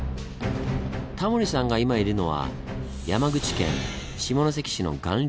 タモリさんが今いるのは山口県下関市の巌流島。